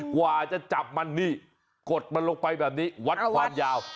กว่าจะจับมันนี่กดมันลงไปแบบนี้วัดความยาว